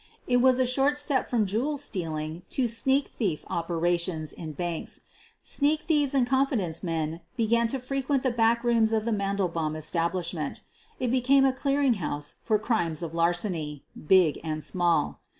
It was a short step from jewel stealing to sneak thief operations in banks. Sneak thieves and confidence men began to frequent the back rooms of the Mandelbaum estab lishment. It became a clearing house for crimes of larceny — big and small.